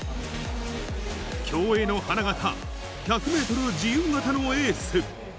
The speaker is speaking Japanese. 競泳の花形、１００メートルの自由形のエース。